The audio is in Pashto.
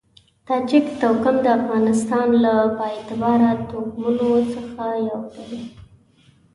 تاجک توکم د افغانستان له با اعتباره توکمونو څخه یو دی.